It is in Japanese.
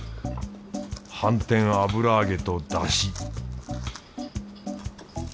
反転油揚げとだし